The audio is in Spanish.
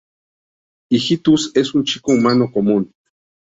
Hijitus es un chico humano común.